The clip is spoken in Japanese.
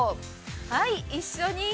はい、一緒に！